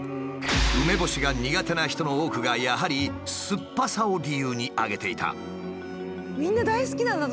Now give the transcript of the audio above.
梅干しが苦手な人の多くがやはり「すっぱさ」を理由に挙げていた。